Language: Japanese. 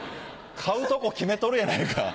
買うとこ決めとるやないか。